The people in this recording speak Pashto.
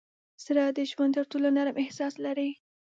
زړه د ژوند تر ټولو نرم احساس لري.